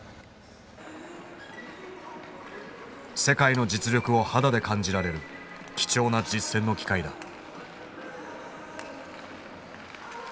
世界の実力を肌で感じられる貴重な実戦の機会だ。